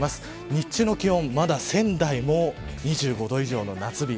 日中の気温まだ仙台でも２５度以上の夏日。